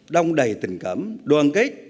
đông đầy tình cảm đoàn kết